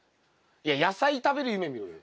いや野菜食べる夢見ろよ。